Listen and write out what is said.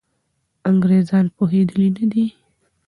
انګریزان پوهېدلي نه دي.